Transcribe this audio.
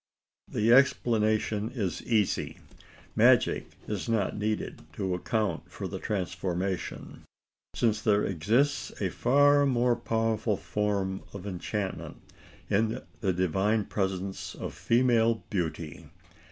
The explanation is easy. Magic is not needed to account for the transformation: since there exists a far more powerful form of enchantment in the divine presence of female beauty.